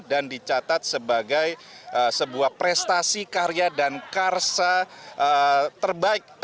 dan dicatat sebagai sebuah prestasi karya dan karsa terbaik